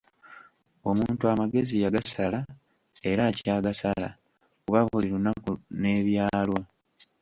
Omuntu amagezi yagasala, era akyagasala, kuba buli lunaku n'ebyalwo.